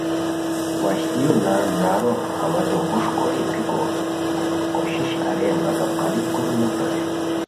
وشلیو نان برارو ہوازو ہوݰ کوری روپھیکو کوشش اریر مگم قالیپ کوروم نو پرائے